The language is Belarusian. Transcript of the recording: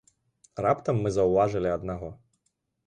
Раптам мы заўважылі аднаго.